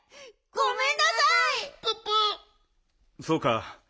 そうか。